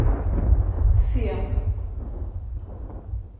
Ffi.